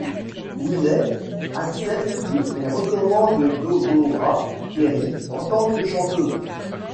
Willey accepte et recommande Deborah Perry en tant que chanteuse.